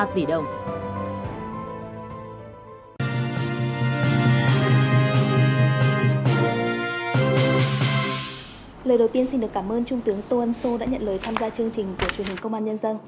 lời đầu tiên xin được cảm ơn trung tướng tô ân sô đã nhận lời tham gia chương trình của truyền hình công an nhân dân